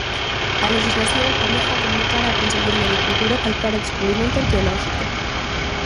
A lexislación obriga a comunicar á Consellería de Cultura calquera descubrimento arqueolóxico.